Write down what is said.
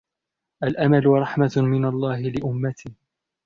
الْأَمَلُ رَحْمَةٌ مِنْ اللَّهِ لِأُمَّتِي